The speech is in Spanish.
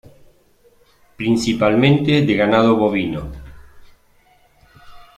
Principalmente de ganado bovino.